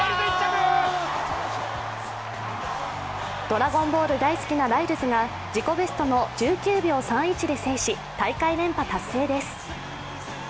「ドラゴンボール」が大好きなライルズが自己ベストの１９秒３１で制し、大会連覇達成です。